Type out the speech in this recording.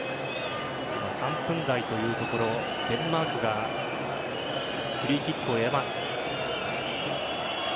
今、３分台というところデンマークがフリーキックを得ます。